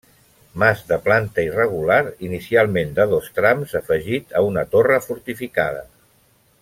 Mas de planta irregular, inicialment de dos trams, afegit a una torre fortificada.